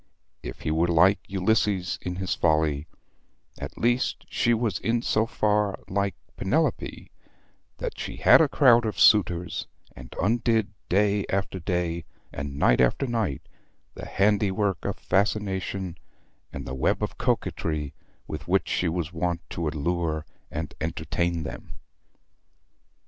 If he were like Ulysses in his folly, at least she was in so far like Penelope that she had a crowd of suitors, and undid day after day and night after night the handiwork of fascination and the web of coquetry with which she was wont to allure and entertain them.